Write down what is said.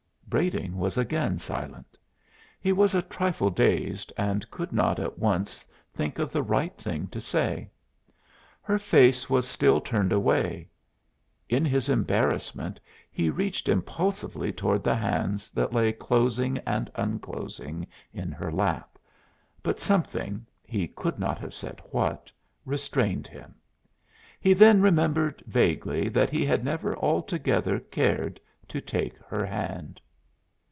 Brading was again silent; he was a trifle dazed and could not at once think of the right thing to say. Her face was still turned away. In his embarrassment he reached impulsively toward the hands that lay closing and unclosing in her lap, but something he could not have said what restrained him. He then remembered, vaguely, that he had never altogether cared to take her hand.